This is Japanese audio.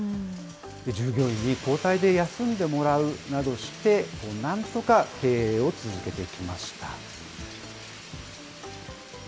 従業員に交代で休んでもらうなどして、なんとか経営を続けてきました。